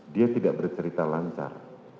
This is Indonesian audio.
dia tidak bercerita lancar